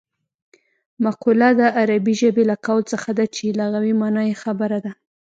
مقوله د عربي ژبې له قول څخه ده چې لغوي مانا یې خبره ده